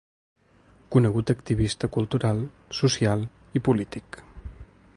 Conegut activista cultural, social i polític.